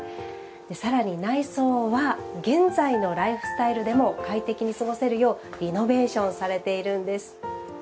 さらに、内装は現在のライフスタイルでも快適に過ごせるようリノベーションされているんです。